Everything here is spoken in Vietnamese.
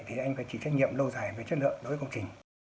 thì anh phải chịu trách nhiệm lâu dài về chất lượng đối với công trình